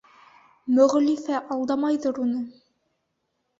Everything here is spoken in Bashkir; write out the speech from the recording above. Мөғлифә алдамайҙыр уны.